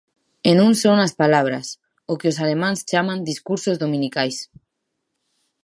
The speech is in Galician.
E non só nas palabras, o que os alemáns chaman "discursos dominicais".